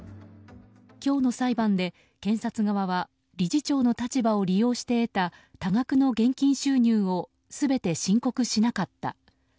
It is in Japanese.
今日の裁判で検察側は理事長の立場を利用して得た多額の現金収入を全て申告しなかった。